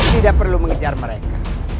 tidak perlu mengejar mereka